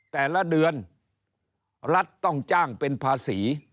แต่ละเดือนรัฐต้องจ้างเป็นภาษี